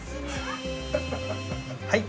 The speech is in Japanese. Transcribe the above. はい。